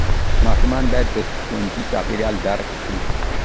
ماشوم باید د ښوونځي چاپېریال درک کړي.